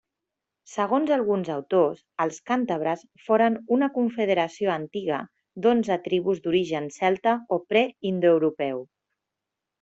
Segons alguns autors, els càntabres foren una confederació antiga d'onze tribus d'origen celta o preindoeuropeu.